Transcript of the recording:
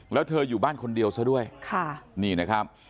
แล้วเธออยู่บ้านคนเดียวซะด้วยค่ะนี่นะครับ